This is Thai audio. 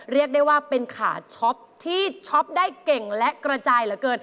เรียกได้ว่าเป็นขาช็อปที่ช็อปได้เก่งและกระจายเหลือเกิน